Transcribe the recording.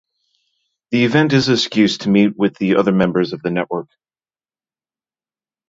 The event is an excuse to meet with the other members of the network.